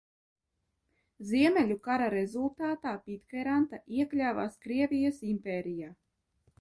Ziemeļu kara rezultātā Pitkjaranta iekļāvās Krievijas impērijā.